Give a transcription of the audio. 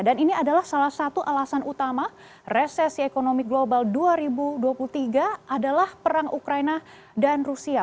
dan ini adalah salah satu alasan utama resesi ekonomi global dua ribu dua puluh tiga adalah perang ukraina dan rusia